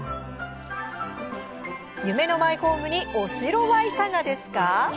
夢のマイホームにお城は、いかがですか？